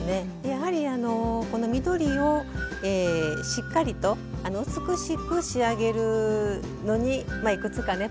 やはりこの緑をしっかりと美しく仕上げるのにいくつかね